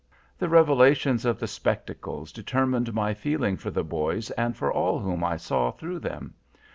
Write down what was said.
The revelations of the spectacles determined my feeling for the boys, and for all whom I saw through them.